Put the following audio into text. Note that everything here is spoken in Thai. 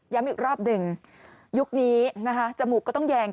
อีกรอบหนึ่งยุคนี้นะคะจมูกก็ต้องแยง